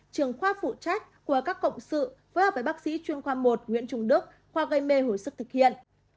trường khoa phụ trách của các cộng sự phối hợp với bác sĩ chuyên khoa một nguyễn trung đức khoa gây mê hồi sức thực hiện